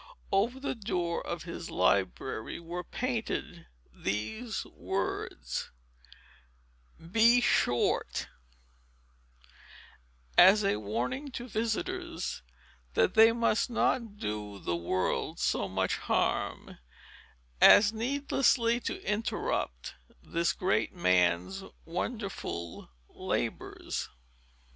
Over the door of his library were painted these words—BE SHORT—as a warning to visitors that they must not do the world so much harm, as needlessly to interrupt this great man's wonderful labors.